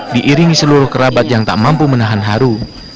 diiringi seluruh kerabat yang tak mampu menahan haru